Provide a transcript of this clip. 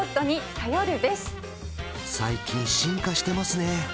最近進化してますね